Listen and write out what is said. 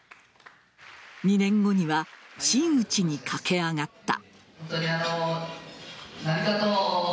２年後には真打ちに駆け上がった。